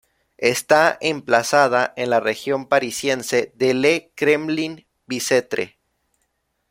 Está emplazada en la región parisiense de Le Kremlin-Bicêtre.